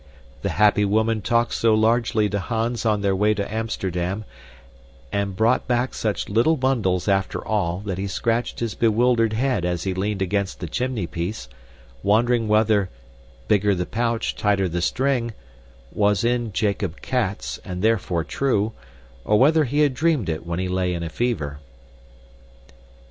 The happy woman talked so largely to Hans on their way to Amsterdam and brought back such little bundles after all that he scratched his bewildered head as he leaned against the chimney piece, wondering whether "Bigger the pouch, tighter the string" was in Jacob Cats, and therefore true, or whether he had dreamed it when he lay in a fever.